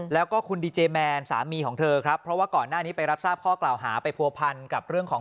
แล้วก็คุณดีเจแมนสามีของเธอครับเพราะว่าก่อนหน้านี้ไปรับทราบข้อกล่าวหาไปผัวพันกับเรื่องของ